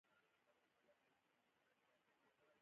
په ننګرهار او لغمان کې والیبال مشهور دی.